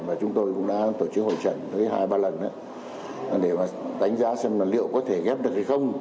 và chúng tôi cũng đã tổ chức hội trận hai ba lần để đánh giá xem liệu có thể ghép được hay không